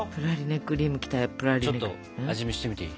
ちょっと味見してみていい？